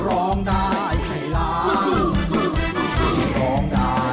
ร้องได้ให้ล้าน